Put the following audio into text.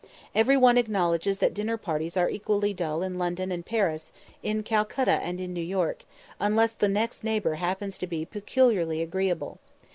Every one acknowledges that dinner parties are equally dull in London and Paris, in Calcutta and in New York, unless the next neighbour happens to be peculiarly agreeable.